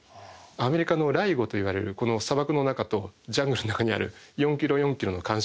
アメリカのＬＩＧＯといわれるこの砂漠の中とジャングルの中にある４ｋｍ４ｋｍの干渉計２つ。